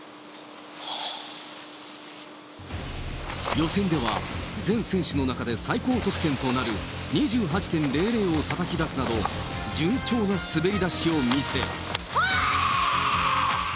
予選では、全選手の中で最高得点となる２８．００をたたき出すなど、順調な滑り出しを見せ。